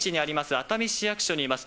熱海市役所にいます。